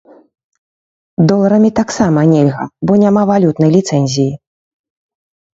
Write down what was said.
Доларамі таксама нельга, бо няма валютнай ліцэнзіі.